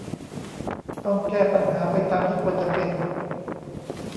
ต้องแก้ปัญหาไปตามที่ควรจะเป็น